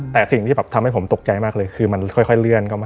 แต่สิ่งที่แบบทำให้ผมตกใจมากเลยคือมันค่อยเลื่อนเข้ามา